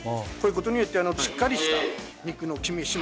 こういうことによってしっかりした肉のキメ